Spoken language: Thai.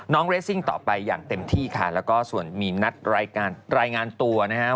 เรสซิ่งต่อไปอย่างเต็มที่ค่ะแล้วก็ส่วนมีนัดรายการรายงานตัวนะฮะ